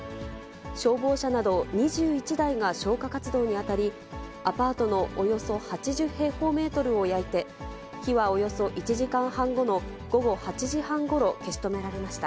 消防車など２１台が消火活動に当たり、アパートのおよそ８０平方メートルを焼いて、火はおよそ１時間半後の午後８時半ごろ、消し止められました。